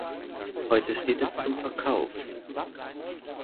Heute steht es zum Verkauf.